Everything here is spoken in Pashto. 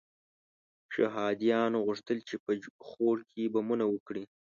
شهادیانو غوښتل چې په خوړ کې بمونه وکري.